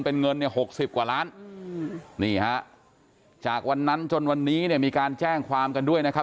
เป็นเงิน๖๐กว่าล้านนี่ฮะจากวันนั้นจนวันนี้มีการแจ้งความกันด้วยนะครับ